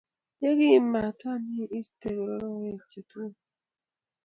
Ki makatin ke iste rotokek chu tugul